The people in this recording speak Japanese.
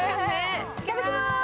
いただきまーす。